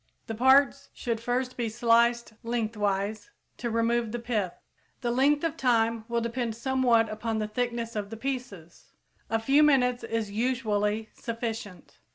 The parts should first be sliced lengthwise, to remove the pith. The length of time will depend somewhat upon the thickness of the pieces. A few minutes is usually sufficient.